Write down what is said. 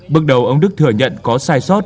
bước đầu ông đức thừa nhận có sai sót